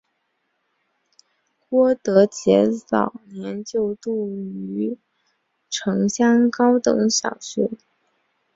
郭德洁早年就读于城厢高等小学。